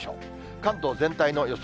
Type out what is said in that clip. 関東全体の予想